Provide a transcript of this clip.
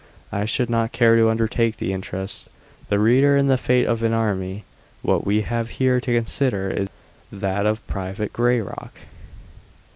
I should not care to undertake to interest the reader in the fate of an army; what we have here to consider is that of Private Grayrock.